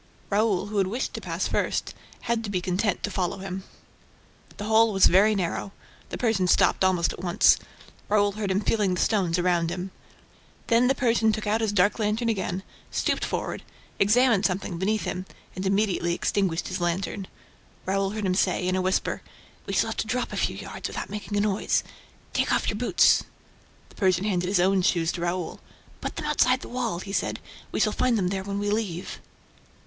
Raoul, who had wished to pass first, had to be content to follow him. The hole was very narrow. The Persian stopped almost at once. Raoul heard him feeling the stones around him. Then the Persian took out his dark lantern again, stooped forward, examined something beneath him and immediately extinguished his lantern. Raoul heard him say, in a whisper: "We shall have to drop a few yards, without making a noise; take off your boots." The Persian handed his own shoes to Raoul. "Put them outside the wall," he said. "We shall find them there when we leave."